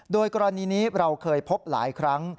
โดยกรณีนี้เราเคยพบหลายครั้ง